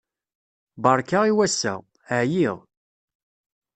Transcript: Beṛka i wass-a. ɛyiɣ.